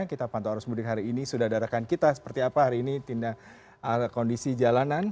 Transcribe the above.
kita pantau arus mudik hari ini sudah ada rekan kita seperti apa hari ini tindak kondisi jalanan